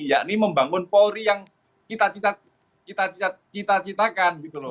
yakni membangun polri yang kita cita citakan